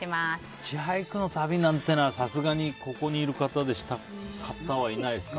ヒッチハイクの旅なんてのはさすがに、ここにいる方でした方はいないですか。